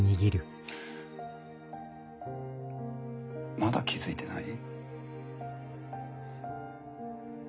まだ気付いてない？